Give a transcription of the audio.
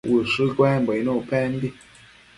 ushë cuembo icnuc pembi